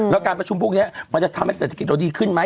แล้วการประชุมพวกนี้มันจะทำให้ศัตริกฤตดีขึ้นมั้ย